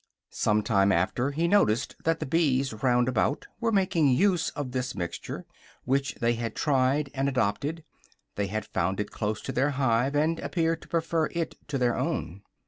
Some time after he noticed that the bees round about were making use of this mixture, which they had tried and adopted; they had found it close to their hive, and appeared to prefer it to their own.